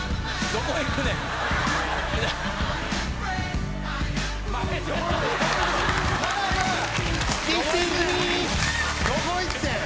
「どこ行ってん？」